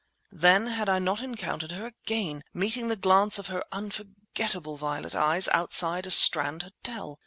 Then had I not encountered her again, meeting the glance of her unforgettable violet eyes outside a Strand hotel?